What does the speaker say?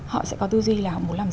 họ sẽ có tư duy là họ muốn làm gì